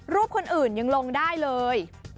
คนอื่นยังลงได้เลย